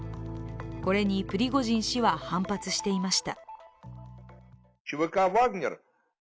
これにプリゴジン氏は反発していました。